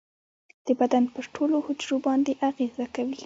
د بدن پر ټولو حجرو باندې اغیزه کوي.